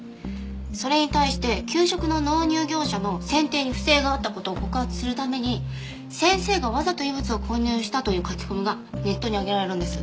それに対して給食の納入業者の選定に不正があった事を告発するために先生がわざと異物を混入したという書き込みがネットに上げられるんです。